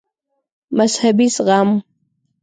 مذهبي زغم